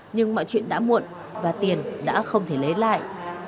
nhưng mọi chuyện đã muộn và tiền đã không thể lấy lại